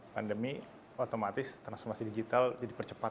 pandemi otomatis transformasi digital jadi percepat